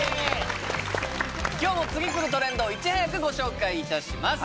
今日も次くるトレンドをいち早くご紹介いたします